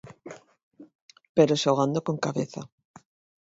Pero xogando con cabeza.